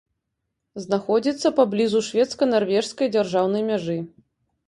Знаходзіцца паблізу шведска-нарвежскай дзяржаўнай мяжы.